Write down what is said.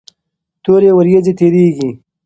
تورې ورېځې تیریږي.